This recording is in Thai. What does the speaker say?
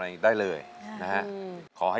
ไม่ทำได้ไม่ทำได้